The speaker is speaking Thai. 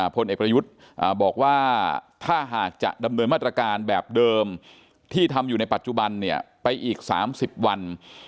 พลเอกประยุทธ์บอกว่าถ้าหากจะดำเนินมาตรการแบบเดิมที่ทำอยู่ในปัจจุบันเนี่ยไปอีก๓๐วัน